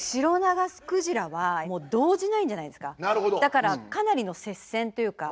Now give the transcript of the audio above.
だからかなりの接戦というか。